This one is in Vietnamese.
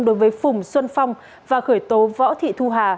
đối với phùng xuân phong và khởi tố võ thị thu hà